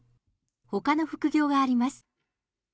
ほかの副業があります。